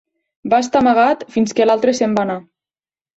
Va estar amagat fins que l'altre se'n va anar.